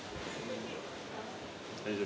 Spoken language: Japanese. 大丈夫？